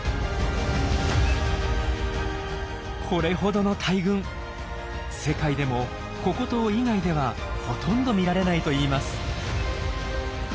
これほどの大群世界でもココ島以外ではほとんど見られないといいます。